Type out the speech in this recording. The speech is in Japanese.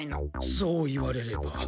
そう言われれば。